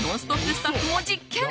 スタッフも実験。